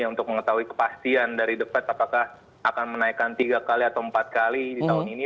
untuk mengetahui kepastian dari the fed apakah akan menaikkan tiga kali atau empat kali di tahun ini